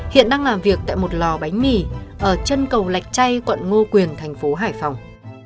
hiện đang làm việc tại một lò bánh mì ở chân cầu lạch chay quận ngô quyền thành phố hải phòng